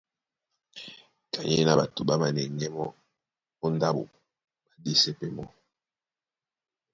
Kanyéná ɓato ɓá manɛŋgɛ́ mɔ́ ó ndáɓo, ɓá ɗésɛ pɛ́ mɔ́.